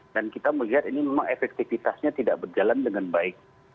dan kita melihat ini memang efektivitasnya tidak berjalan dengan baik